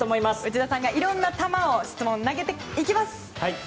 内田さんがいろいろな球質問を投げていきます。